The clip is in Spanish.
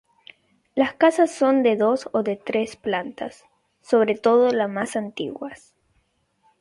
Las casas son de dos o tres plantas, sobre todo las más antiguas.